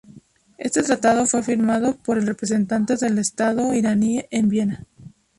Este tratado fue firmado por el representante del Estado iraní en Viena.